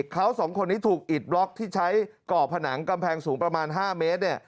เขาสองคนนี้ถูกอิดบล็อกที่ใช้ก่อผนังกำแพงสูงประมาณ๕เมตร